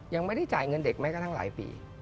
ยังไม่ได้จ่ายเงินเด็กแม้กระทั่งหลายปี